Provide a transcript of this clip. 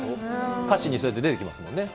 歌詞にそうやって出てきます